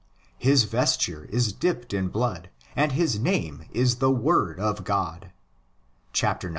5).1 His vesture is dipped in blood, and his name is the Word of God (xix.